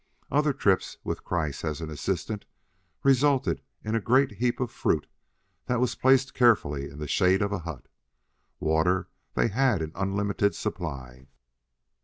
Other trips, with Kreiss as an assistant, resulted in a great heap of fruit that they placed carefully in the shade of a hut. Water they had in unlimited supply.